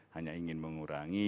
hanya ingin mengurangi